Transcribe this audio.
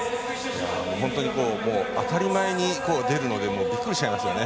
本当に当たり前に出るのでびっくりしちゃいますよね。